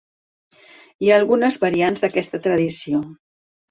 Hi ha algunes variants d'aquesta tradició.